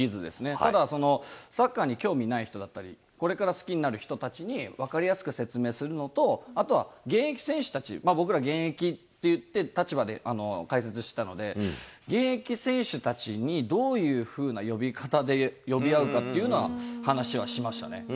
ただ、サッカーに興味ない人だったり、これから好きになる人たちに、分かりやすく説明するのと、あとは現役選手たち、僕ら、現役っていう立場で解説したので、現役選手たちにどういうふうな呼び方で呼び合うかっていうのは、話はしましたね。